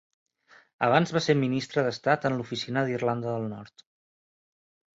Abans va ser Ministre d'Estat en l'Oficina d'Irlanda del Nord.